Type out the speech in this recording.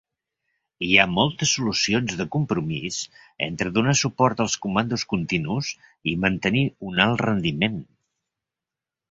Hi ha moltes solucions de compromís entre donar suport als comandos continus i mantenir un alt rendiment.